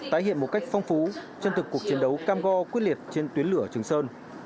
tái hiện một cách phong phú chân thực cuộc chiến đấu cam go quyết liệt trên tuyến lửa trường sơn